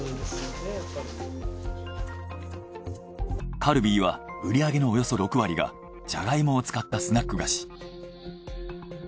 カルビーは売り上げのおよそ６割がジャガイモを使ったスナック菓子。